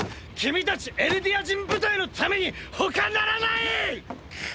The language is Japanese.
君たちエルディア人部隊のためにほかならない！